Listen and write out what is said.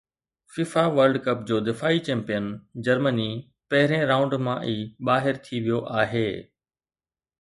FIFA World Cup جو دفاعي champion جرمني پهرين رائونڊ مان ئي ٻاهر ٿي ويو آهي